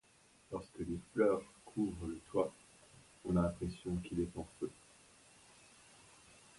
Lorsque les fleurs couvrent le toit, on a l’impression qu'il est en feu.